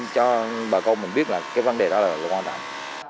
cho bà con mình biết là cái vấn đề đó là quan trọng